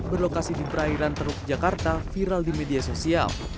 berlokasi di perairan teluk jakarta viral di media sosial